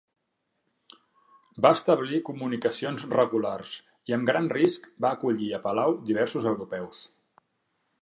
Va establir comunicacions regulars i amb gran risc va acollir a palau diversos europeus.